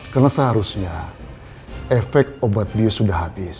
karena seharusnya efek obat bios sudah habis